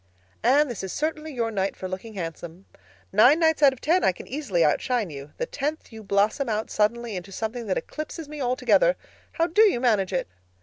"Anne, this is certainly your night for looking handsome. Nine nights out of ten I can easily outshine you. The tenth you blossom out suddenly into something that eclipses me altogether. How do you manage it?"